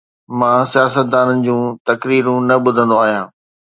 مان سياستدانن جون تقريرون نه ٻڌندو آهيان.